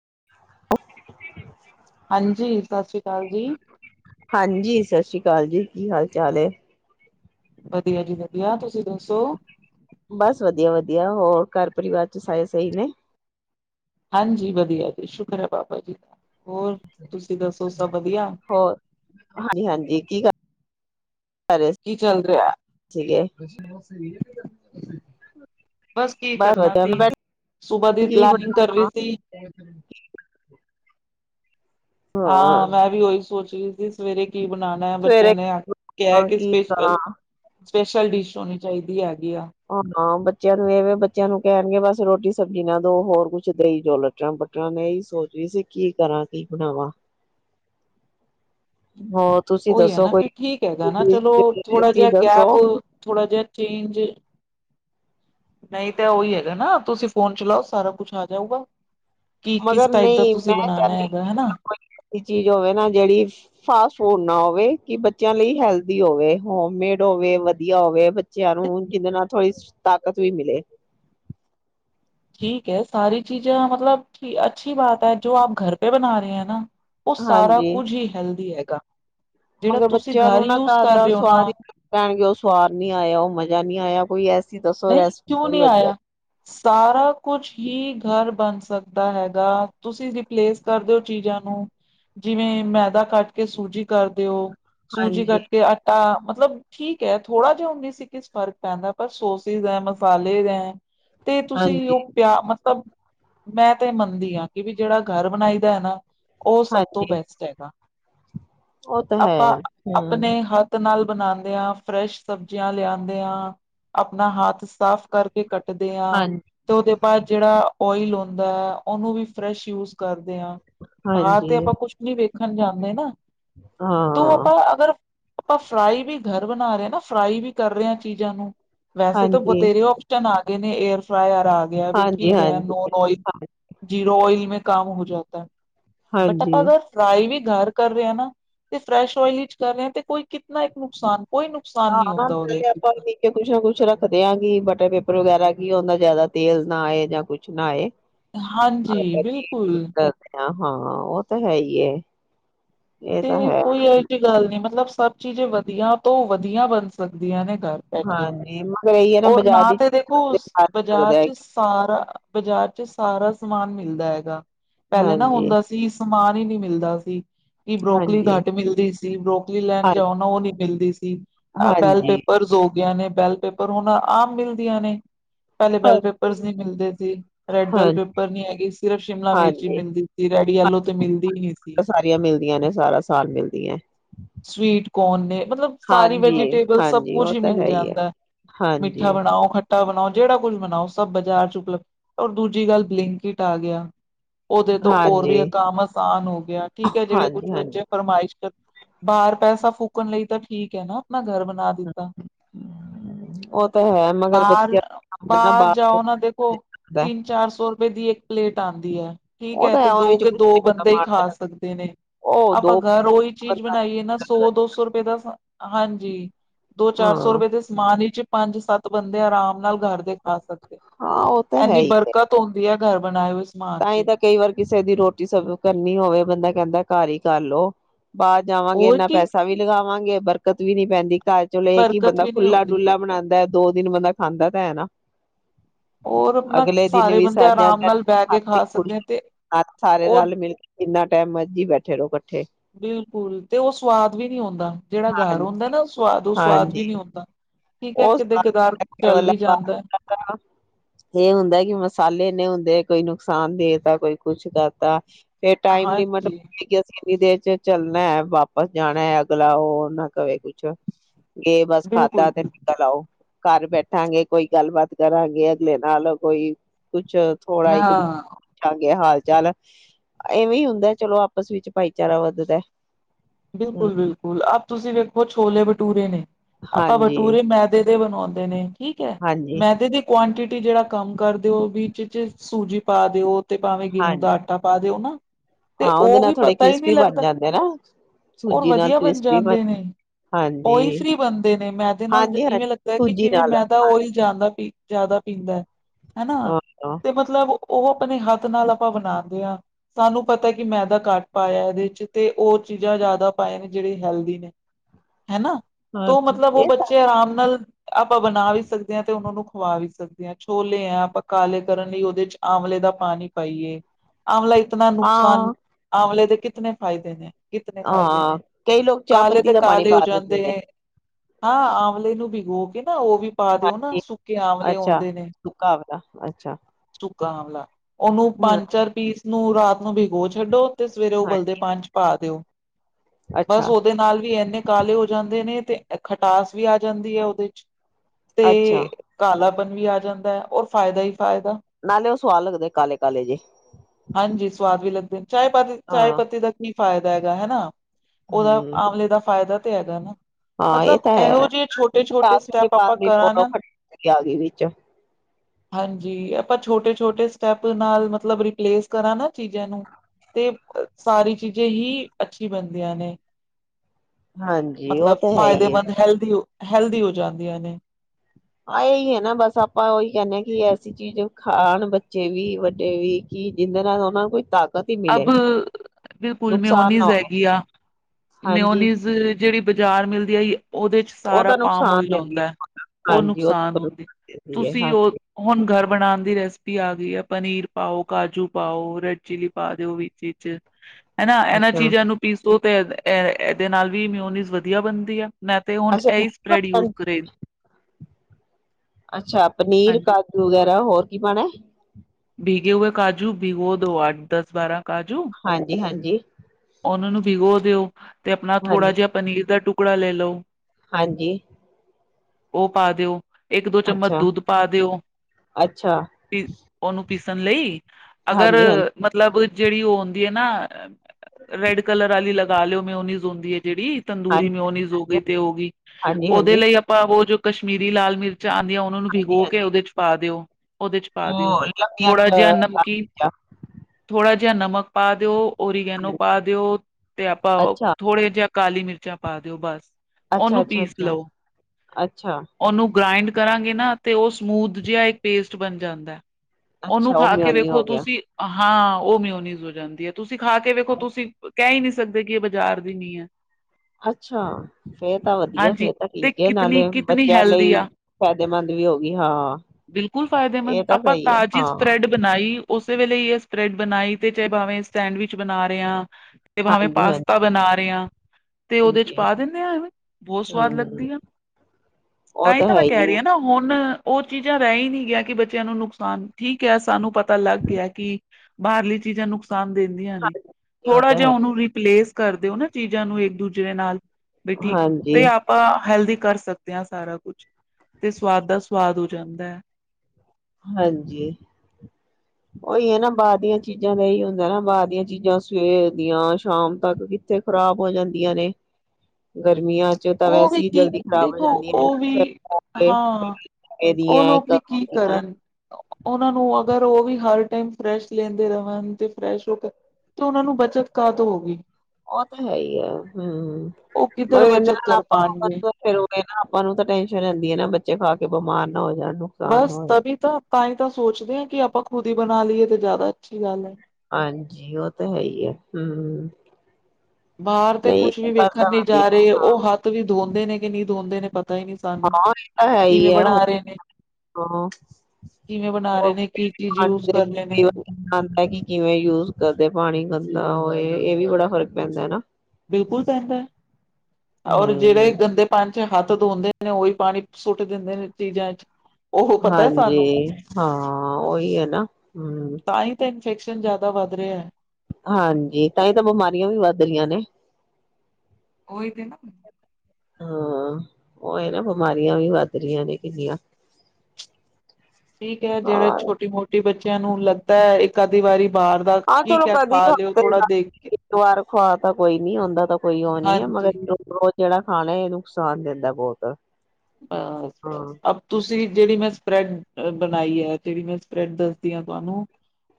ੳਕ ਹਾਂਜੀ ਸਤਿ ਸ੍ਰੀ ਅਕਾਲ ਜੀ ਹਾਂਜੀ, ਸਤਿ ਸ੍ਰੀ ਅਕਾਲ ਜੀ ਕੀ ਹਾਲ ਚਾਲ ਹੇ? ਵਧੀਆ ਜੀ ਵਧੀਆ ਤੁਸੀਂ ਦੱਸੋ? ਬਸ ਵਧੀਆ-ਵਧੀਆ ਹੋਰ ਘਰ ਪਰਿਵਾਰ ਚ ਸਾਰੇ ਸਹੀ ਨੇ। ਹਾਂਜੀ, ਵਧੀਆ ਜੀ ਸ਼ੁਕਰ ਹੈ ਬਾਬਾ ਜੀ ਦਾ। ਹੋਰ ਤੁਸੀਂ ਦੱਸੋ ਸਭ ਵਧੀਆ ਹੋਰ, ਹਾਂਜੀ-ਹਾਂਜੀ ਕੀ ਕਰ ਘਰੇ, ਕੀ ਚੱਲ ਰਿਹਾ ਠੀਕ ਹੈ, [unintelligible] ਬਸ ਕੀ ਮੈ ਕਰਨਾ ਸੀ ਸੁਬਾਹ ਦੀ ਬੈਠੀ ਪਲਾਨਿੰਗ ਕਰ ਰਹੀ ਸੀ ਹਾਂ, ਮੈਂ ਵੀ ਉਹੀ ਸੋਚ ਕੀ ਸਵੇਰੇ ਕੀ ਬਣਾਉਣਾ ਹੈ ਸਵੇਰੇ ਬੱਚਿਆਂ ਨੇ ਕਹਿ ਕੇ ਕੀ ਕਰਾਂ ਸਪੇਸ਼ਲ ਸਪੈਸ਼ਲ ਡਿਸ਼ ਹੋਣੀ ਚਾਹੀਦੀ ਹੈ। ਔ ਨ ਬ, ਬੱਚਿਆਂ ਨੂੰ ਇਹਵੇਂ ਬੱਚਿਆਂ ਨੂੰ ਕਹਿਣਗੇ ਬਸ ਰੋਟੀ ਸਬਜ਼ੀ ਨਾ ਦੋ, ਹੋਰ ਕੁਛ ਦੇਈ ਜੋ ਲੈਟਰਮ-ਫਟਰਮ ਇਹੀ ਸੋਚ ਰਹੀ ਸੀ ਕੀ ਕਰਾਂ ਕੀ ਕੀ ਬਣਾਵਾਂ? ਹੋਰ ਤੁਸੀਂ ਉਹੀ ਹੈ ਦੱਸੋ ਨਾ, ਕੋਈ ਫਿਰ ਠੀਕ ਹੈਗਾ ਨਾ ਚਲੋ, ਥੋੜਾ ਰੈਸਪੀ ਜਿਹਾ ਦੱਸੋ ਗੈਪ, ਥੋੜਾ ਜਿਹਾ ਚੇਂਜ ਨਹੀਂ ਤਾਂ ਉਹੀ ਹੈਗਾ ਨਾ, ਤੁਸੀਂ ਫੋਨ ਚਲਾਓ ਸਾਰਾ ਕੁਛ ਆ ਜਾਊਗਾ। ਕੀ ਕਿਸ ਮਗਰ ਟਾਈਪ ਦਾ ਨਹੀਂ ਤੁਸੀਂ ਮੈਂ ਬਣਾਉਣਾ ਚਾਹੁੰਦੀ ਹੈਗਾ ਹ ਹਨਾ ਕੋਈ ਐਸੀ ਚੀਜ਼ ਹੋਵੇ ਨਾ ਜਿਹੜੀ ਫਾਸਟ ਫੂਡ ਨਾ ਹੋਵੇ। ਹੋ ਕਿ ਬੱਚਿਆਂ ਲਈ ਹੈਲਦੀ ਹੋਵੇ, ਹੋਮਮੇਡ ਹੋਵੇ, ਵਧੀਆ ਹੋਵੇ, ਬੱਚਿਆਂ ਨੂੰ ਜਿਹਦੇ ਨਾਲ ਥੋੜ੍ਹੀ ਤਾਕਤ ਵੀ ਮਿਲੇ। ਠੀਕ ਏ ਸਾਰੀ ਚੀਜ਼ਾਂ ਮਤਲਬ ਅੱਛੀ ਬਾਤ ਹੈ, ਜੋ ਆਪ ਘਰ ਪੇ ਬਣਾ ਰਹੇ ਹੈ ਨਾ। ਉਹ ਸਾਰਾ ਹਾਂਜੀ ਕੁਝ ਹੀ ਹੈਲਦੀ ਹੈ। ਮਗਰ ਬੱਚਿਆਂ ਨੂੰ ਨਾ ਘਰ ਕਰ ਦਾ ਰਹੇ ਹੋ ਨਾ ਸਵਾਦ ਹੀ ਕਹਣਗੇ ਉਹ ਸਵਾਦ ਨੀ ਆਇਆ, ਉਹ ਮਜ਼ਾ ਨੀ ਆਇਆ। ਕੋਈ ਏਸ ਨਹੀਂ ਕਿਉਂ ਨਹੀਂ ਆਇਆ ਸਾਰਾ ਕੁਛ ਹੀ ਘਰ ਬਣ ਸਕਦਾ ਹੈਗਾ ਤੁਸੀਂ ਰਿਪਲੇਸ ਕਰ ਦਿਓ ਚੀਜ਼ਾਂ ਨੂੰ, ਜਿਵੇਂ ਮੈਦਾ ਕੱਟ ਕੇ ਸੂਜੀ ਕਰ ਦਿਓ। ਸੂਜੀ ਹਾਂਜੀ ਕੱਟ ਕੇ, ਆਟਾ ਮਤਲਬ ਠੀਕ ਹੈ, ਥੋੜਾ ਜੀਹਾ ੳਨਇਸ-ਇਕੀਸ ਫ਼ਰਕ ਪੈਂਦਾ ਪਰ ਸੋਚ ਚੀਜ਼ ਹੈ, ਮਸਾਲੇਜ਼ ਹੈ। ਤੇ ਤੁਸੀਂ ਹਾਂਜੀ ਉਹ ਪਿਆ ਮਤਲਬ ਮੈਂ ਤੇ ਇਹ ਮੰਨਦੀ ਹਾਂ ਕਿ ਵੀ ਜਿਹੜਾ ਘਰ ਬਣਾਈ ਦਾ ਹੈ ਨਾ ਉਹ ਸਭ ਤੋਂ ਹਾਂਜੀ ਬੈਸਟ ਹੈਗਾ ਉਹ ਤਾਂ ਹੈ ਆਪਾਂ ਆਪਣੇ ਹਮ ਹੱਥ ਨਾਲ ਬਣਾਉਂਦੇ ਆ, ਫਰੈਸ਼ ਸਬਜ਼ੀਆਂ ਲਿਆਂਦੇ ਆ ਆਪਣਾ ਹੱਥ ਸਾਫ਼ ਕਰਕੇ ਕ ਕੱਟਦੇ ਹਾਂ ਹਾਂਜੀ ਤੇ ਉਹਦੇ ਬਾਅਦ ਜਿਹੜਾ, ਓਈ ਲਾਉਦਾ ਐ, ਉਹਨੂੰ ਵੀ ਫਰੈਸ਼ ਯੂਜ ਕਰਦਾ। ਬਾਹਰ ਹਾਂਜੀ ਤੇ ਆਪਾਂ ਕੁਛ ਨੀ ਵੇਖਣ ਜਾਂਦੇ ਨਾ ਤੂੰ ਹਾਂ ਆਪਾਂ ਅਗਰ, ਆਪਾਂ ਫਰਾਈ ਵੀ ਘਰ ਬਣਾ ਰਹੇ ਹਾਂ ਨਾ, ਫਰਾਈ ਵੀ ਕਰ ਰਹੇ ਹਾਂ ਚੀਜ਼ਾਂ ਨੂੰ। ਵੈਸੇ ਤਾਂ ਹਾਂਜੀ ਬਤੇੇਰੇ ਓਪਸ਼ਨ ਆ। ਨੇ ਏਅਰ ਫਰਾਈ ਆ ਗਿਆ ਵੀ ਹਾਂਜੀ ਠੀਕ ਹੈ, ਨੋ ਹਾਂਜੀ ਨੋਇਲ ਜੀ। ਰੋਇਲ ਮੈਂ ਕੰਮ ਹੋ ਜਾਤਾ ਹੈ। ਬਟ ਆਪਾ ਹਾਂਜੀ ਅਗਰ ਫਰਾਈ ਵੀ, ਗਰ ਕਰ ਰਿਹਾ ਨਾ, ਤੇ ਫਰੈਸ਼ ਓਇਲ ਵਿਚ ਕਰ ਰਿਹਾ ਤੇ ਕੋਈ ਕਿਤਨਾ ਕੁ ਨੁਕਸਾਨ ਕੋਈ ਨੁਕਸਾਨ ਹਾਂ, ਨਹੀਂ ਹੁੰਦਾ ਉਹਦੇ ਆਪਾਂ ਵੀ ਨਕੇ ਕੁਛ ਨਾ ਕੁਛ ਕੁਛ ਰੱਖਦੇ, ਆ ਕਿ ਬਟਰ ਪੇਪਰ ਵਗੈਰਾ ਕੀ ਉਹਦਾ ਜ਼ਿਆਦਾ ਤੇਲ ਨਾ ਆਏ ਜਾਂ ਕੁਛ ਨਾ ਆਏ। ਹਾਂਜੀ ਆਪਾਂ ਜੀ ਕੁਛ ਬਿਲਕੁਲ, ਕਰਦੇ ਹਾਂ ਉਹ ਤਾਂ ਹੈ ਹੀ ਹੈ। ਇਹ ਤਾਂ ਤੇ ਕੋਈ ਇਹੋ ਜਿਹੀ ਗੱਲ ਨੀ ਮਤਲਬ ਸਭ ਚੀਜ਼ ਵਧੀਆ ਤੋਂ ਵਧੀਆ ਬਣ ਸਕਦੀਆਂ ਨੇ। ਘ ਬੈਠੇ ਹਾਂਜੀ ਮਗਰ ਇਹੀ ਹੈ ਔਰ ਬਾਜ਼ਾਰ ਨਾ ਦੀ ਤੇ ਦੇਖੋ, ਉਸ ਬਾਜ਼ਾਰ ਸਕਦਾ ਹੈ ਚ ਸਾਰਾ ਬਾਜ਼ਾਰ ਚ ਸਾਰਾ ਸਮਾਨ ਮਿਲਦਾ ਹੈਗਾ। ਪਹਿਲੇ ਨਾ ਹਾਂਜੀ ਹੁੰਦਾ ਸੀ, ਸਮਾਨ ਨਹੀ ਨਹੀਂ ਮਿਲਦਾ ਸੀ। ਕਿ ਬਰੋਕਲੀ ਹਾਂਜੀ ਘੱਟ ਮਿਲਦੀ ਸੀ, ਬਰੋਕਲੀ ਲੈਣ ਹਾਂ ਜਾਓ ਨਾ ਉਹ ਨੀ ਮਿਲਦੀ ਸੀ। ਆ ਵਾਲ ਹਾਂਜੀ ਪੇਪਰ ਜੋਰ ਗਏ ਨੇ ਬੈਲ ਪੇਪਰ ਹੁਣ ਆਮ ਮਿਲਦੀਆਂ ਨੇ। ਪਹਿਲੇ ਬੈਲ ਹਾਂ ਪੇਪਰਸ ਨਹੀਂ ਮਿਲਦੇ ਸੀ, ਰੈੱਡ ਬੈਲ ਪੇਪਰ ਨਹੀਂ ਹੈਗੇ, ਸਿਰਫ ਸ਼ਿਮਲਾ ਮਿਰਚੀ ਹਾਂਜੀ ਮਿਲਦੀ ਸੀ, ਰੈੱਡ, ਜੈਲੋ ਤੇ ਮਿਲਦੀ ਨਹੀਂ ਸੀ। ਸਾਰੀਆਂ ਮਿਲਦੀਆਂ ਨੇ ਸਾਰਾ ਸਾਲ ਮਿਲਦੀਆਂ। ਕੌਣ ਨੇ ਮਤਲਬ ਸਾਰੀ ਹਾਂਜੀ ਵੈਜੀਟੇਬਲ ਸਭ ਹਾਂਜੀ ਕੁਛ ਉਹ ਹੀ ਤਾਂ ਮਿਲ ਹੈ ਹੈ ਜਾਂਦਾ, ਹਾਂਜੀ ਮਿੱਠਾ ਬਣਾਓ ਖ ਆਟਾ ਬਣਾਓ, ਜਿਹੜਾ ਕੁਝ ਬਣਾਓ ਸਭ ਬਾਜ਼ਾਰ ਚ ਉਪਲਬਧ, ਔਰ ਦੂਜੀ ਗੱਲ ਬਲਿੰਕਟ ਆ ਗਿਆ। ਉਹਦੇ ਤੋਂ ਹੋਰ ਹਾਂਜੀ ਵੀ ਕੰਮ ਆਸਾਨ ਹੋ ਗਿਆ, ਠੀਕ ਹੈ ਜਿਹੜੇ ਕੁਛ ਹਾਂਜੀ ਹਾਂਜੀ ਬੱਚੇ ਫਰਮਾਇਸ਼ ਕਰਦੇ ਬਾਹਰ ਪੈਸਾ ਫੂਕਣ ਲਈ ਤਾਂ ਠੀਕ ਹੈ, ਨਾ ਘਰ ਬਣਾ ਦਿੱਤਾ, ਉਹ ਤਾਂ ਹੈ ਮਗਰ ਬੱਚਿਆਂ ਨਾ ਬਾਹਰ-ਬਾਹਰ ਬਾਹਰ ਜਾਓ ਨਾ ਦੇਖੋ, ਦਾ ਤਿੰਨ ਚਾਰ ਸੌ ਇਹਦੀ ਇੱਕ ਪਲੇਟ ਆਂਦੀ ਏ। ਠੀਕ ਉਹ ਹੈ, ਤਾਂ ਤੇ ਦੋ ਵਿੱਚ ਕੇ ਕੁਛ ਦੋ ਬੰਦੇ ਹੀ ਖਾ ਸਕਦੇ ਨੇ। ਉਹ ਆਪਾਂ ਦੋ ਘਰ ਉਹੀ ਹਾਂ ਚੀਜ਼ ਬਣਾਈਏ ਨਾ, ਸੌ ਦੋ ਸੌ ਰੁਪਏ ਦਾ ਹਾਂਜੀ। ਦੋ ਚਾਰ ਸੌ ਰੁਪਏ ਦੇ ਸਮਾਨ ਵਿੱਚ ਪੰਜ ਸੱਤ ਬੰਦੇ ਆਰਾਮ ਨਾਲ ਘਰ ਦੇ ਖਾ ਸਕਦੇ। ਹਾਂ ਉਹ ਤਾਂ ਹੈ ਇੰਨੀ ਹੀ ਹੈ ਬਰਕਤ ਹੁੰਦੀ ਹੈ। ਘਰ ਬਣਾਏ ਹੋਏ। ਸਮਾਨ ਤਾਂ ਹੀ ਚ ਤਾਂ ਕਈ ਵਾਰ ਕਿਸੇ ਦੀ ਰੋਟੀ ਸਭ ਕਰਨੀ ਹੋਵੇ, ਬੰਦਾ ਕਹਿੰਦਾ ਘਰ ਹੀ ਕਰ ਲਓ। ਬਾਹਰ ਜਾਵਾਂਗੇ, ਹੋਰ ਇੰਨਾ ਕੀ ਪੈਸਾ ਵੀ ਲਗਾਵਾਂ। ਬਰਕਤ ਵੀ ਨੀ ਪੈਂਦੀ। ਘਰ ਚਲੋ ਇਹ ਕਿ ਬਰਕਤ ਬੰਦਾ ਵੀ ਨਹੀਂ ਖੁੱਲਾ ਹੁੰਦੀ ਡੁੱਲਾ ਬਣਾਉਂਦਾ ਦੋ ਦਿਨ ਬੰਦਾ ਖਾਂਦਾ ਤਾਂ ਹੈ ਨਾ। ਹੋਰ ਨਾ ਸਾਰੇ ਬੰਦੇ ਆਰਾਮ ਨਾਲ ਬਹਿ ਕੇ ਆਪਣੀ ਖਾ ਕੁੜੀ ਸਕਦੇ ਆ ਤੇ ਆਪ ਸਾਰੇ ਉਹ ਰਲ ਮਿਲਕੇ ਜਿੰਨਾ ਟਾਈਮ ਮਰਜ਼ੀ ਬੈਠੇ ਰਹੋ ਇਕੱਠੇ ਬਿਲਕੁਲ ਤੇ ਉਹ ਸਵਾਦ ਵੀ ਨਹੀਂ ਹੁੰਦਾ ਜਿਹੜਾ ਘਰ ਹਾਂਜੀ ਹੁੰਦਾ ਨਾ ਸਵਾਦ ਉਹ ਸਵਾਦ ਹਾਂਜੀ ਵੀ ਨਹੀਂ ਹੁੰਦਾ। ਠੀਕ ਹੈ ਉਸ ਕਿਤੇ ਬ ਕਿਦਾਰ ਚੱਕਰ ਚੱਲ ਵਾਲਾ ਵੀ ਜਾਂਦਾ ਹੈ। ਬਰ ਤਾਂ ਇਹ ਹੁੰਦਾ ਕਿ ਮਸਾਲੇ ਇਨੇ ਹੁੰਦੇ ਕਈ। ਨੁਕਸਾਨ ਦੇ ਤਾਂ ਕੋਈ ਕੁਛ ਕਰਤਾ। ਇਹ ਟਾਈਮ ਲਿਮਟ ਹਾਂਜੀ ਇਹਦੇ ਚ ਚੱਲਣਾ ਹੈ ਵਾਪਿਸ ਜਾਣਾ ਐ ਅਗਲਾ ਉਹ ਨਾ ਕਵੇ ਕੁਛ ਗੇ ਬਸ ਖਾਧਾ ਬਿਲਕੁਲ ਤੇ ਘਰ ਬੈਠਾਂਗੇ ਕੋਈ ਗੱਲਬਾਤ ਕਰਾਂਗੇ ਅਗਲੇ ਨਾਲ ਕੋਈ। ਕੁਛ ਥੋੜਾ ਇੱਕ ਦੂਜੇ ਹਾਂ [inaudible] ਪੁੱਛਾ ਗੇ ਹਾਲ ਚੱਲ ਇਵੇਂ ਹੀ ਹੁੰਦਾ ਚਲੋ ਆਪਸ ਵਿੱਚ ਭਾਈਚਾਰਾ ਵੱਧਦਾ। ਬਿਲਕੁਲ ਬਿਲਕੁਲ ਆ ਤੁਸੀਂ ਵੇਖੋ ਛੋਲੇ ਬਟੂਰੇ ਨੇ। ਆਪਾਂ ਹਾਂਜੀ ਬਟੂਰੇ ਮੈਦੇ ਦੇ ਬਣਾਵਾਂਦੇ ਨੇ ਠੀਕ ਹੈ ਹਾਂਜੀ ਮੈਦੇ ਦੀ ਕੁਆਂਆਂਟਿਟੀ ਜਿਹੜਾ ਕੰਮ ਕਰ ਦਿਓ ਵਿੱਚ ਚ ਸੂਜੀ ਪਾ ਦਿਓ। ਤੇ ਭਾਵੇਂ ਗੇਹੂ ਹਾਂਜੀ ਦਾ ਆਟਾ ਪਾ ਦਿਓ ਨਾ। ਤੇ ਹਾਂ ਉਹਦੇ ਉਹ ਨਾਲ ਥੋੜੇ ਕ੍ਰਿਸਪੀ ਬਣ ਜਾਂਦੇ ਨਾ ਉਹ ਸੂਜੀ ਨਾਲ ਵਧੀਆ ਬਣ ਕ੍ਰਿਸਪੀ ਜਾਂਦੇ ਨੇ ਹਾਂਜੀ ਔਹੀ ਫ੍ਰੀ ਬਣਦੇ ਨੇ ਮੈਦੇ ਨਾਲ ਹਾਂਜੀ ਇਵੇਂ ਹਾਂਜੀ ਲੱਗਦਾ ਕਿ ਸੂਜੀ ਜਿਵੇਂ ਨਾਲ ਮੈਦਾ ਓਇਲ ਜਾਂਦਾ ਪਿਕ ਜ਼ਿਆਦਾ ਪੀਂਦਾ ਹੈਨਾ ਹਾਂ ਤੇ ਮਤਲਬ ਉਹ ਆਪਣੇ ਹੱਥ ਨਾਲ ਆਪਾਂ ਬਣਾਉਂਦੇ ਹਾਂ ਸਾਨੂੰ ਪਤਾ ਕਿ ਮੈਦਾ ਕੱਟ ਪਾਇਆ ਇਹਦੇ ਚ ਤੇ ਉਹ ਚੀਜ਼ਾਂ ਜ਼ਿਆਦਾ ਪਾਏ ਨੇ ਜਿਹੜੇ ਹੈਲਦੀ ਨੇ ਹੈਨਾ ਤੋ ਮਤਲਬ ਉਹ ਇਹ ਤਾਂ ਬੱਚੇ ਆਰਾਮ ਨਾਲ, ਆਪਾਂ ਬਣਾ ਵੀ ਸਕਦੇ ਹਾਂ ਤੇ ਉਹਨਾਂ ਨੂੰ ਖਵਾ ਵੀ ਸਕਦੇ ਹਾਂ ਛੋਲੇ ਆ ਆਪਾਂ ਕਾਲੇ ਕਰਨ ਲਈ ਉਹਦੇ ਚ ਆਂਵਲੇ ਦਾ ਪਾਣੀ ਪਾਈਏ ਆਂਵਲਾ ਕਿਤਨਾ ਨੁਕਸਾਨ ਹਾਂ ਆਵਲੇ ਦੇ ਕਿਤਨੇ ਫ਼ਾਇਦੇ ਨੇ ਕਿਤਨੇ ਫਾਇਦੇ ਹਾਂ ਨੇ ਕਈ ਲੋਕ ਚਾਹ ਕਾਲੇ ਪੱਤੀ ਤੇ ਦਾ ਪਾਣੀ ਕਾਲੇ ਪਾ ਹੋ ਦਿੰਦੇ ਜਾਂਦੇ ਨੇ ਹੈ ਹਾਂ ਆਵਲੇ ਨੂੰ ਵੀ ਔ ਕੇ ਉਹ ਵੀ ਪਾ ਦਿਓ ਨਾ ਹਾਂਜੀ ਸੁੱਕੇ ਆਵਲੇ ਅੱਛਾ ਆਉਂਦੇ ਨੇ ਸੁੱਕਾ ਵਾਲਾ ਅੱਛਾ ਆਮਲਾ ਉਹਨੂੰ ਹੂੰ ਪੰਜ ਚਾਰ ਪੀਸ ਨੂ ਰਾਤ ਨੂੰ ਭਿਗੋ ਛੱਡੋ ਤੇ ਸਵੇਰੇ ਹਾਂ ਉਬਲਦੇ ਪਾਣੀ ਚ ਪਾ ਦੋ ਤੇ ਔ ਬਸ ਅੱਛਾ ਉਹਦੇ ਨਾਲ ਵੀ ਇੰਨੇ ਕਾਲੇ ਹੋ ਜਾਂਦੇ ਨੇ ਤੇ ਖਟਾਸ ਵੀ ਆ ਜਾਂਦੀ ਹੈ ਉਹਦੇ ਚ ਤੇ ਅੱਛਾ ਤੇ ਕਾਲਾ ਵੀ ਆ ਜਾਂਦਾ ਹੈ ਔਰ ਫਾਇਦਾ ਵੀ ਨਾਲੇ ਉਹ ਸੁਆਦ ਲੱਗਦੇ ਕਾਲੇ ਕਾਲੇ ਜੇ। ਹਾਂਜੀ ਸਵਾਦ ਵੀ ਲੱਗਦੇ ਨੇ ਚਾਏ ਪਾਤੀ ਚਾਏ ਹਾਂ ਪੱਤੀ ਦਾ ਫ਼ਾਇਦਾ ਹੈਗਾ। ਹੈਨਾ। ਉਹਦਾ ਹੂੰ ਆਂਵਲੇ ਦਾ ਫਾਇਦਾ ਤੇ ਹੈਗਾ ਨਾ। ਹਾਂ ਇਹ ਮਤਲਬ ਤਾਂ ਇਹੋ ਹੈ ਜਿਹੇ ਛੋਟੇ ਛੋਟੇ ਮਿਠਾਸ ਵੀ ਨੀ ਸਟੈਪ ਆਪਾਂ ਪਾਉਣ ਦੀ ਲੋੜ ਕਰਾਂ ਉਹ ਨਾ ਖੱਟੀ ਆ ਗਈ ਵਿੱਚ [inaudible] ਹਾਂਜੀ ਆਪਾਂ ਛੋਟੇ ਛੋਟੇ ਛੋਟੇ ਸਟੈਪ ਨਾਲ ਮਤਲਬ ਰਿਪਲੇਸ ਕਰਾਂ ਨਾ ਚੀਜ਼ਾਂ ਨੂੰ, ਤੇ ਸਾਰੀ ਚ ਚੀਜ਼ਾਂ ਹੀ ਅੱਛੀ ਬਣਦੀਆਂ ਨੇ। ਹਾਂਜੀ ਉਹ ਮਤਲਬ ਤਾਂ ਹੈ ਹੀ ਫਾਇਦੇਮੰਦ, ਹੈ ਹੈਲਦੀ ਹੋ ਹੈਲਦੀ ਹੋ ਜਾਂਦੀਆਂ ਨੇ। ਆ ਇਹੀ ਹੈ ਨਾ ਬਸ ਆਪਾਂ ਉਹੀ ਕਹਿੰਦੇ ਹਾਂ ਕਿ ਐਸੀ ਚੀਜ਼ ਖਾਣ ਬੱਚੇ ਵੀ, ਵੱਡੇ ਵੀ ਕਿ ਜਿੰਹਦੇ ਨਾਲ ਉਹਨਾਂ ਨੂੰ ਕੋਈ ਤਾਕਤ ਹੀ ਅਬ ਮਿਲੇ ਬਿਲਕੁਲ ਨੁਕਸਾਨ ਨਾ ਮਿਓਨੀਜ਼ ਹੋਵੇ ਹੈਗੀ ਆ, ਹਾਂਜੀ ਮਿਓਨੀਜ਼ ਜਿਹੜੀ ਬਾਜ਼ਾਰ ਮਿਲਦੀ ਉਹੀ ਉਹਦੇ 'ਚ ਉਹ ਸਾਰਾ ਤਾਂ ਪਾਮ ਨੁਕਸਾਨ ਓਇਲ ਦਿੰਦੀ ਹੁੰਂਦਾ ਹੈ। ਉਹ ਨੁਕਸਾਨ ਦਿੰਦਾ ਸੀਗੇ ਤੁਸੀਂ ਉਹ ਹਾਂਜੀ ਹੁਣ ਘਰ ਬਣਾਉਣ ਦੀ ਰੈਸਪੀ ਟੀ ਆ ਗਈ ਹੈ ਪਨੀਰ ਪਾਓ, ਕਾਜੂ ਪਾਓ, ਰੇਡ ਚਿੱਲੀ ਪਾ ਦਿਓ ਵਿੱਚ 'ਚ ਹੈਨਾ ਇਹਨਾਂ ਅੱਛਾ ਚੀਜ਼ਾਂ ਨੂੰ ਪੀਸੋ ਤੇ ਇਹ- ਇਹ ਇਹਦੇ ਨਾਲ ਵੀ ਮਿਊਨੀਜ਼ ਵਧੀਆ ਬਣਦੀ ਐ। ਨਾ ਤਾਂ ਹੁਣ ਅੱਛਾ ਇਹ ਸਪਰੈਡ ਯੂਜ ਕਰੇ। ਅੱਛਾ ਪਨੀਰ, ਹਾਂਜੀ ਕਾਜੂ ਵਗੈਰਾ ਹੋਰ ਕੀ ਪਾਉਣਾ? ਭੀਗੇ ਹੋਏ ਕਾਜੂ ਭੀਗੋ ਦੋ ਆਠ, ਦਸ, ਬਾਰਾਂ। ਕਾਜੂ ਹਾਂਜੀ ਹਾਂਜੀ ਉਹਨਾਂ ਨੂੰ ਭਿਗੋ ਦਿਓ। ਤੇ ਆਪਣਾ ਥੋੜਾ ਹਾਂਜੀ ਜਿਹਾ ਪਨੀਰ ਦਾ ਟੁਕ ਟੁਕੜਾ ਲੈ ਲਓ। ਹਾਂਜੀ। ਉਹ ਪਾ ਦਿਓ। ਇੱਕ ਦੋ ਚਮਚ ਅੱਛਾ ਦੁੱਧ ਪਾ ਦਿਓ, ਅੱਛਾ ਫਿਰ ਉਹਨੂੰ ਪੀਸਣ ਲਈ ਅਗਰ ਹਾਂਜੀ ਹਾਂਜੀ ਮਤਲਬ ਜਿਹੜੀ ਉਹ ਹੁੰਦੀ ਹੈ ਨਾ ਰੈਡ ਕਲਰ ਆਲੀ ਲਗਾ ਲਿਓ ਮਿਓਨੀਜ਼ ਹੁੰਦੀ ਹੈ। ਜਿਹੜੀ ਤੰਦੂਰੀ ਹਾਂਜੀ ਮਿਓਨੀਜ਼ ਹੋ ਗਈ ਤੇ ਹੋ ਗਈ ਹਾਂਜੀ ਉਹਦੇ ਹਾਂਜੀ ਲਈ ਆਪਾਂ ਉਹ ਜੋ ਕਸ਼ਮੀਰੀ ਲਾਲ ਮਿਰਚ ਜਾਂ ਤੇ ਉਹਨਾਂ ਨੂੰ ਹਾਂਜੀ ਭਿਗੋ ਕੇ ਹਾਂਜੀ ਉਹਦੇ 'ਚ ਪਾ ਦਿਓ। ਉਹਦੇ 'ਚ ਪਾ ਦਿਓ। ਉਹ ਲੰਬੀਆਂ ਥੋੜ੍ਹਾ ਜਿਹਾ ਨਮਕੀਨ ਥੋੜ, ਅ ਥੋੜ੍ਹਾ ਜਿਹਾ ਨਮਕ ਪਾ ਦਿਓ। ਓਰੀਗੈਨੋ ਪਾ ਦਿਓ ਤੇ ਆਪਾਂ ਉਹ ਅੱਛਾ ਥੋੜੇ ਜਿਹੀਆਂ ਕਾਲੀ ਮਿਰਚਾਂ ਪਾ ਦਿਓ ਬਸ ਅੱਛਾ ਉਹਨੂੰ ਅੱਛਾ ਪੀਸ ਅੱਛਾ ਲਓ ਅੱਛਾ ਉਹਨੂੰ ਗ੍ਰਾਇੰਡ ਕਰਾਂਗੇ ਨਾ ਤੇ ਉਹ ਸਮੂਥ ਜਿਹਾ ਇੱਕ ਪੇਸਟ ਬਣ ਜਾਂਦਾ। ਉਹਨੂੰ ਅੱਛਾ ਉਹ ਖਾ ਕੇ ਮਿਓਨੀ ਵੇਖੋ ਹੋ ਗਿਆ ਤੁਸੀਂ ਹਾਂ ਉਹ ਮਿਉਨੀਜ਼ ਹੋ ਜਾਂਦੀ ਹੈ ਤੁਸੀਂ ਤੁਸੀਂ ਖਾ ਕੇ ਵੇਖੋ ਤੁਸੀਂ ਕਹਿ ਹੀ ਨਹੀਂ ਸ ਸਕਦੇ ਕਿ ਇਹ ਬਾਜ਼ਾਰ ਦੀ ਨੀ ਏ। ਅੱਛਾ ਫਿਰ ਤਾਂ ਵਧੀਆ ਹਾਂਜੀ ਫੇਰ ਤਾਂ ਤੇ ਠੀਕ ਹੈ ਕਿਤਨੀ ਨਾਲੇ ਕਿਤਨੀ ਬੱਚਿਆਂ ਹੈਲਦੀ ਲਈ ਆ ਫਾਇਦੇਮੰਦ ਵੀ ਹੋ ਗਈ ਹਾਂ ਬਿਲਕੁਲ ਫਾਇਦੇਮੰਦ ਇਹ ਤਾਂ ਆਪਾਂ ਸਹੀ ਹੈ ਤਾਜ਼ੀ ਹਾਂ ਸਪਰੈਡ ਬਣਾਈ। ਉਸੇ ਵੇਲੇ ਇਹ ਸਪ੍ਰੈਡ ਬਣਾਈ ਤੇ ਚਾਹੇ ਭਾਵੇਂ ਸੈਂਡ ਵਿੱਚ ਬਣਾ ਰਹੇ ਆ। ਤੇ ਭਾਵੇਂ ਹਾਂਜੀ ਹਾਂਜੀ ਪਾਸਤਾ ਬਣਾ ਰਹੇ ਆ। ਤੇ ਉਹਦੇ ਚ ਹਾਂਜੀ ਪਾ ਦਿੰਦੇ ਆਵੇਂ ਬਹੁਤ ਸਵਾਦ ਹਮ ਲੱਗਦੀ ਆ ਉਹ ਤਾਂ ਹੀ ਤਾਂ ਹੈ ਮੈਂ ਕਹਿ ਰਹੀ ਹੈ ਹਾਂ ਨਾ ਹੁਣ ਉਹ ਚੀਜ਼ਾਂ ਰਹਿ ਹੀ ਨਹੀਂ ਗਿਆ ਕਿ ਬੱਚਿਆਂ ਨੂੰ ਨੁਕਸ ਠੀਕ ਐ ਸਾਨੂੰ ਪਤਾ ਲੱਗ ਗਿਆ ਕਿ ਬਾਹਰਲੀ ਚੀਜ਼ਾਂ ਨੁਕ ਸਾਨ ਦਿੰਦੀਆਂ ਨੇ ਹਾਂਜੀ ਉਹ ਥੋੜਾ ਤਾਂ ਜਿਹਾ ਹੈ ਉਹਨੂੰ ਰਿਪਲੇਸ ਕਰਦੇ ਹੋ ਨਾ ਚੀਜ਼ਾਂ ਨੂੰ ਇੱਕ ਦੂਜੇ ਦੇ ਨਾਲ ਬੇਠੀ ਹਾਂਜੀ ਤੇ ਆਪਾਂ ਹੈਲਦੀ ਕਰ ਸਕਦੇ ਹਾਂ ਸਾਰਾ ਕੁਛ ਤੇ ਸੁਵਾਦ ਦਾ ਸਵਾਦ ਹੋ ਜਾਂਦਾ ਐ। ਹਾਂਜੀ, ਉਹੀ ਹੈ ਨਾ ਬਾਹਰ ਦੀਆਂ ਚੀਜ਼ਾਂ ਦਾ ਇਹੀ ਹੁੰਦਾ ਨਾ ਬਾਹਰ ਦੀਆਂ ਚੀਜ਼ਾਂ ਸਵੇਰ ਦੀਆਂ ਸ਼ਾਮ ਤੱਕ ਕਿੱਥੇ ਖ਼ਰਾਬ ਹੋ ਜਾਂਦੀਆਂ ਨੇ ਗਰਮੀਆਂ ਚ ਤਾਂ ਉਹ ਵੈਸੇ ਵੀ ਹੀ ਕੀ ਜਲਦੀ ਖ਼ਰਾਬ ਹੋ ਦੇਖੋ ਜਾਂਦੀਆਂ ਹਨ। ਉਹ ਵੀ ਹਾਂ ਉਹ ਦੀਆਂ ਲੋਕ ਵੀ ਕਦੋਂ ਕੀ ਦੀਆਂ ਕਰਨ। ਉਹਨਾਂ ਨੂੰ ਅਗਰ ਉਹ ਵੀ ਹਰ ਟਾਈਮ ਫਰੈਸ਼ ਲੈਂਦੇ ਰਵਣ ਤੇ ਫਰੈਸ਼ ਹੋ ਕੇ ਤੇ ਉਹਨਾਂ ਨੂੰ ਬੱਚਤ ਕਾਹਤੋਂ ਹੋਊਗੀ। ਉਹ ਤਾਂ ਹੈ ਹੀ ਆ ਹੂੰ ਉਹ ਕਿੱਧਰ ਮਗਰ ਐਨਾ ਬੱਚਤ ਕਰ ਆਪਾਂ ਆਪਾਂ ਪਾਣਗੇ। ਨੂੰ ਫਿਰੋ ਗਏ ਨਾ ਆਪਾਂ ਨੂੰ ਤਾਂ ਟੈਨਸ਼ਨ ਰਹਿੰਦੀ ਹੈ ਨਾ ਬੱਚੇ ਖਾ ਕੇ ਕਿ ਬਮਾਰ ਬਸ ਤਭੀ ਤਾਂ ਤਾਂ ਹੀ। ਤਾਂ ਸੋਚਦੇ ਹਾਂ ਕਿ ਆਪਾਂ ਖੁਦ ਹੀ ਬਣਾ ਲਈਏ ਤੇ ਜਿਆਦਾ ਅੱਛੀ ਗੱਲ ਐ। ਹਾਂਜੀ, ਉਹ ਤਾਂ ਹੈ ਹੀ ਆ ਹੂੰ। ਬਾਹਰ ਤੇ ਕੁਛ ਵੀ ਵੇਖਣ ਨੀ ਜਾ ਰਹੇ ਉਹ ਹੱਥ ਵੀ। ਧੋਂਦੇ ਨੇ ਕਿ ਨਹੀਂ ਧੋਂਦੇ ਨੇ। ਪਤਾ ਹੀ ਨਹੀਂ ਸਾਨੂੰ। ਹਾਂ ਇਹ ਤਾਂ ਹੈ ਹੀ ਕਿਵੇਂ ਹੈ ਹੁਣ ਬਣਾ ਰਹੇ ਨੇ ਕਿਵੇਂ ਬਣਾ ਹਾਂ ਰਹੇ ਨੇ ਕੀ ਚੀਜ਼ ਯੂਜ ਪਾਣੀ ਕਰ ਰਹੇ ਨੇ ਦੇਂਦਾ ਕਿ ਕਿਵੇਂ ਯੂਜ ਕਰਦੇ ਪਾਣੀ ਦਾ। ਲ ਇਹ ਇਹ ਵੀ ਬੜਾ ਫ਼ਰਕ ਪੈਂਦਾ ਐ ਨਾ। ਬਿਲਕੁਲ ਪੈਂਦਾ ਔਰ ਜਿਹੜੇ ਹਮ ਗੰਦੇ ਪਾਣੀ ਚ। ਹੱਥ ਧੋਦੇ ਨੇ ਉਹੀ ਪਾਣੀ ਸੁੱਟ ਦਿੰਦੇ ਨੇ ਚੀਜ਼ਾਂ ਚ ਉਹ ਪਤਾ ਹਾਂਜੀ ਸਾਨੂੰ ਹਾਂ ਉਹੀ ਹੈ ਨਾ ਹੂੰ। [unintelligible] ਜਿਆਦਾ ਵੱਧ ਰਿਹਾ। ਹਾਂਜੀ ਤਾਂ ਹੀ ਤਾਂ ਬਿਮਾਰੀਆਂ ਵੀ ਵੱਧ ਰੀਆ ਨੇ। ਉਹੀ ਤੇ ਨਾ। ਹਾਂ, ਓਹੀ ਨਾ ਬਿਮਾਰੀਆਂ ਵੀ ਵੱਧ ਰਹੀਆਂ ਨੇ ਕਿੰਨੀਆਂ। ਠੀਕ ਐ ਜਿਹੜੇ ਹਾਂ ਛੋਟੀ ਮੋਟੇ ਬੱਚੇ। ਬੱਚਿਆਂ ਨੂੰ ਲੱਗਦਾ ਇੱਕ ਅੱਧੀ ਵਾਰੀ। ਬਾਹਰ ਦਾ ਹਾਂ, ਚਲੋ ਠੀਕ ਹੈ ਕਦੇ ਖਾ ਲਿਓ ਥੋੜਾ ਦੇਖ ਕੇ [unintelligible] ਵਾਰ ਖਵਾ ਤਾਂ ਕੋਈ ਨੀ ਓਦਾ ਤਾਂ ਕੋਈ ਉਹ ਨੀ ਹੈ ਮਗਰ ਹਾਂਜੀ ਰੋਜ਼ ਜਿਹੜਾ ਖਾਣਾ ਇਹ ਨੁਕਸਾਨ ਦਿੰਦਾ ਬਹੁਤ ਬਸ-ਬਸ ਅ ਤੁਸੀਂ ਜਿਹੜੀ ਮੈਂ ਸਪ੍ਰੈਡ ਬਣਾਈ ਹੈ, ਜਿਹੜੀ ਮੈਂ ਸਪ੍ਰੈਡ ਦੱਸਦੀ ਹਾਂ ਤੁਹਾਨੂੰ,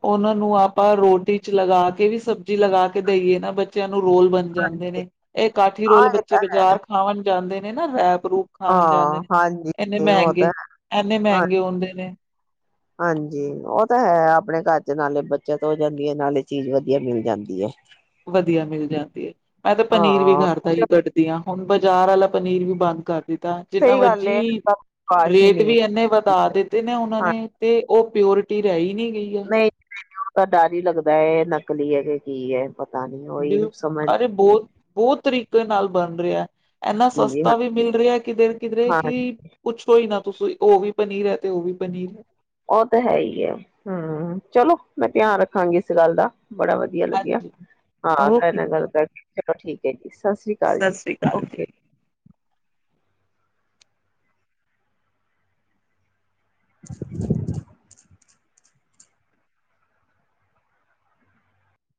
ਉਹਨਾਂ ਨੂੰ ਆਪਾਂ ਰੋਟੀ ਚ ਲਗਾ ਕੇ ਵੀ ਸਬਜ਼ੀ ਲਗਾ ਕੇ ਦੇਈਏ ਨਾ ਬੱਚਿਆਂ ਨੂੰ ਨੂੰ ਰੋਲ ਬਣ ਜਾਂਦੇ ਨੇ, ਇਹ ਕਾਠੀ ਹਾਂ ਰੋਲ ਇਹ ਬੱਚੇ ਬਾਜ਼ਾਰ ਖਾਵਣ ਜਾਂਦੇ ਨੇ ਨੇ ਨਾ ਰੈਪ-ਰੂਪ ਖਾਵਣ ਜਾਂਦੇ ਹਾਂ, ਨੇ ਹਾਂਜੀ ਇੰਨੇ ਉਹ ਤਾਂ ਮਹਿੰਗੇ ਹੈ। ਐੰਨੇ ਹਾਂ ਮਹਿੰਗੇ ਹੁੰਦੇ ਨੇ ਹਾਂਜੀ ਉਹ ਤਾਂ ਹੈ, ਆਪਣੇ ਘਰ ਚ ਨਾਲੇ ਬੱਚਤ ਹੋ ਜਾਂਦੀ ਹੈ, ਨਾਲੇ ਚੀਜ਼ ਵਧੀਆ ਮਿਲ ਜਾਂਦੀ ਹੈ। ਵਧੀਆ ਮਿਲ ਜਾਂਦੀ ਹੈ, ਮੈਂ ਤਾਂ ਪਨੀਰ ਵੀ ਹਾਂ, ਘਰ ਦਾ ਕੱਢਦੀ ਹਾਂ। ਹੁਣ ਬਾਜ਼ਾਰ ਵਾਲਾ ਪਨੀਰ ਵੀ ਬੰਦ ਕਰ ਤਾਂ ਜਿੰਨਾ ਸਹੀ ਗੱਲ ਏ ਮਰਜ਼ੀ ਕਾਸ਼ ਹੀ ਰੇਟ ਨਹੀਂ ਹੈ। ਵੀ ਇਨੇ ਵਧਾ ਦਿੱਤੇ ਨੇ ਉਹਨਾਂ ਨੇ ਤੇ ਉਹ ਪਿਓਰਿਟੀ ਰਹੀ ਨਹੀਂ-ਨਹੀਂ ਔ ਤਾਂ ਡਰ ਹੀ ਲੱਗਦਾ ਏ, ਨਕਲੀ ਹੈ ਏਹੇ ਕੀ ਹੈ। ਪਤਾ ਨੀ ਉਹੀ ਬਿਲੁ ਸਮਝ ਅਰੇ ਨੀ ਆਉਂਦੀ। ਬਹੁਤ-ਬਹੁਤ ਤਰੀ ਕੇ ਨਾਲ ਬਣ ਰਿਹਾ ਏ। ਇੰਨਾ ਹਾਂਜੀ ਹਾਂ, ਸਸਤਾ ਵੀ ਮਿਲ ਰਿਹਾ ਏ ਕਿਧਰੇ-ਕਿਧਰੇ ਹਾਂ ਕਿ ਪੁੱਛੋ ਹੀ ਨਾ। ਦੱਸੋ ਉਹ ਵੀ ਪਨੀਰ ਹੈ, ਤੇ ਉਹ ਵੀ ਪਨੀਰ ਹੈ। ਉਹ ਤਾਂ ਹੈ ਹੀ ਐ ਹੂੰ, ਚਲੋ ਮੈਂ ਧਿਆਨ ਰੱਖਾਂਗੀ, ਇਸ ਗੱਲ ਦਾ। ਬੜਾ ਵਧੀਆ ਲੱਗਿਆ, ਹਾਂਜੀ ਹਾਂ ਓਕੇ ਤਾਡੇ ਨਾਲ ਗੱਲ ਕਰਕੇ ਚਲੋ ਠੀਕ [unintelligible] ਸਤਿ ਸ਼੍ਰੀ ਅਕਾਲ ਸਤਿ ਜੀ, ਸ੍ਰੀ ਅਕਾਲ ਜੀ। ਓਕੇ। [inaudible]